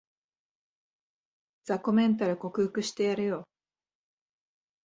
雑魚メンタル克服してやるよ